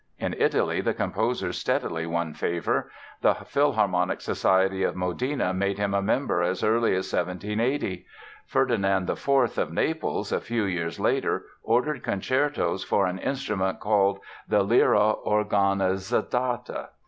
In Italy the composer steadily won favor. The Philharmonic Society of Modena made him a member as early as 1780. Ferdinand IV, of Naples, a few years later ordered concertos for an instrument called the lira organizzata.